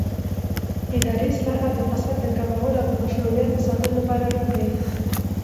اداري اصلاحات د فساد کمولو او مشروعیت د ساتلو لپاره اړین دي